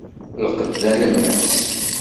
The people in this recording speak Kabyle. Lqed d alemmas.